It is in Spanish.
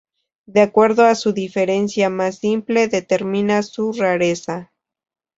De acuerdo a su diferencia más simple determina su rareza.